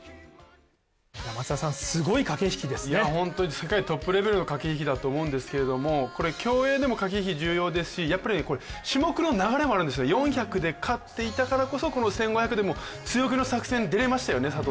世界トップレベルの駆け引きだと思うんですけれども、競泳でも駆け引き重要ですし種目の流れもあるんです４００で勝っていたからこそこの１５００でも強気の作戦に出れましたよね。